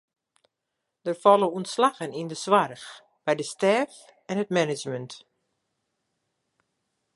Der falle ûntslaggen yn de soarch, by de stêf en it management.